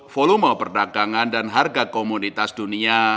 volume perdagangan dan harga komoditas dunia